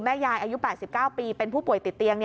ยายอายุ๘๙ปีเป็นผู้ป่วยติดเตียง